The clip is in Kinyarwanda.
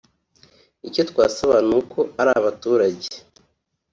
Icyo twasaba n’uko ari abaturage